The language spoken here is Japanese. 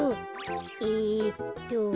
えっと。